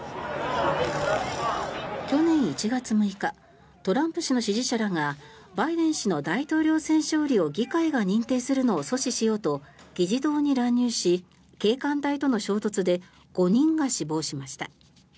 去年１月６日トランプ氏の支持者らがバイデン氏の大統領選勝利を議会が認定するのを阻止しようと議事堂に乱入し警官隊との衝突で５人が死亡しました。